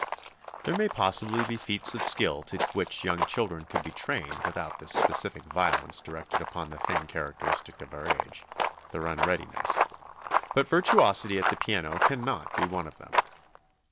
There may possibly be feats of skill to which young children could be trained without this specific violence directed upon the thing characteristic of their age their unreadiness but virtuosity at the piano cannot be one of them.